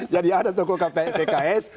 jadi ada tokoh pks